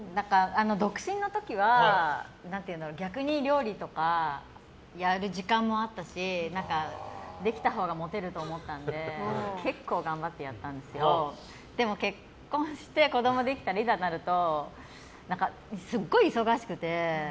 独身の時は逆に料理とかやる時間もあったしできたほうがモテると思ったんで結構、頑張ってやってたんですがでも結婚して子供できたらすごい忙しくて。